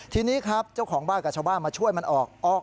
ทีนี้ครับเจ้าของบ้านกับชาวบ้านมาช่วยมันออก